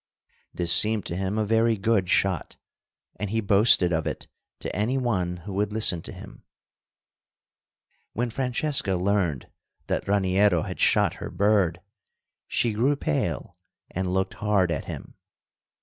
This seemed to him a very good shot, and he boasted of it to any one who would listen to him. When Francesca learned that Raniero had shot her bird, she grew pale and looked hard at him.